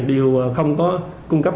đều không có cung cấp